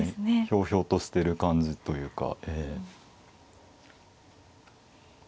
ひょうひょうとしてる感じというか。